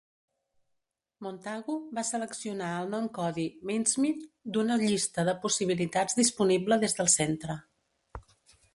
Montagu va seleccionar el nom codi Mincemeat d'una llista de possibilitats disponible des del centre.